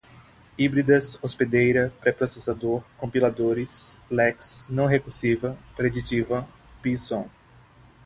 híbridas, hospedeira, pré-processador, compiladores, lex, não-recursiva, preditiva, bison